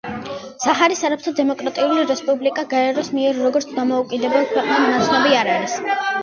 საჰარის არაბთა დემოკრატიული რესპუბლიკა გაეროს მიერ როგორც დამოუკიდებელ ქვეყნად ნაცნობი არ არის.